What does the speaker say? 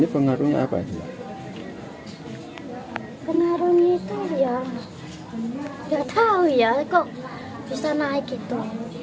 pengaruhnya itu ya gak tau ya kok bisa naik gitu